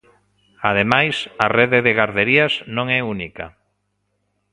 Ademais, a rede de garderías non é única.